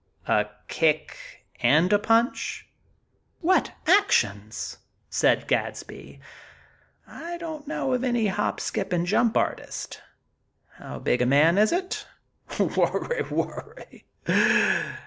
"A kick and a punch? What actions!" said Gadsby. "I don't know of any hop skip and jump artist. How big a man is it?" "Worra, worra!